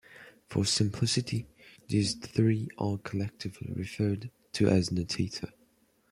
For simplicity these three are collectively referred to as Notator.